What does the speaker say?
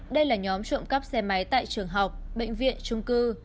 đây là nhóm trộm cắp xe máy tại trường học bệnh viện trung cư